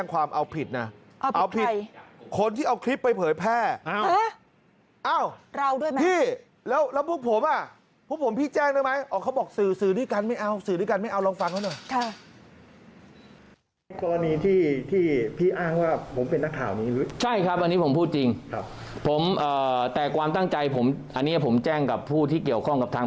กรณีที่ที่พี่อ้างว่าผมเป็นนักข่าวนี้ใช่ครับอันนี้ผมพูดจริงครับผมแต่ความตั้งใจผมอันเนี้ยผมแจ้งกับผู้ที่เกี่ยวข้องกับทาง